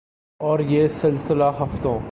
اور یہ سلسلہ ہفتوں